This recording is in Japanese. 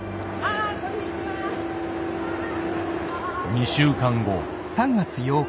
２週間後。